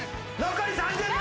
残り３０秒。